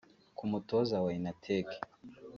Ku mutoza wa Inatek